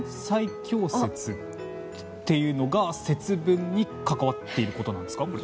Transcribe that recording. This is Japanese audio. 最強説っていうのが節分に関わっていることなんですか？